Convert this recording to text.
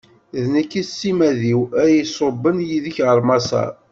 D nekk, s timmad-iw, ara iṣubben yid-k ɣer Maṣer.